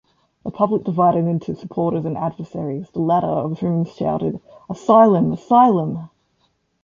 The public divided into supporters and adversaries, the latter of whom shouted, Asylum, Asylum!